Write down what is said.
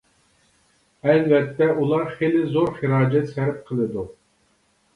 ئەلۋەتتە، ئۇلار خېلى زور خىراجەت سەرپ قىلىدۇ.